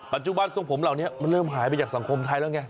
ทรงผมเหล่านี้มันเริ่มหายไปจากสังคมไทยแล้วไง